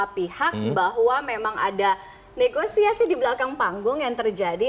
pihak bahwa memang ada negosiasi di belakang panggung yang terjadi